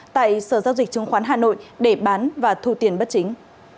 tại sở giao dịch chứng khoán hà nội để bán và thu tiền bất chính